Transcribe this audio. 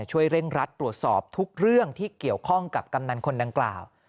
ช่วยเร่งรัดตรวจสอบทุกเรื่องที่เกี่ยวข้องกับกำนันคนดังกล่าว